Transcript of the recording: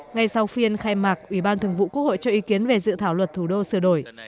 ngay sau phiên khai mạc ủy ban thường vụ quốc hội cho ý kiến về dự thảo luật thủ đô sửa đổi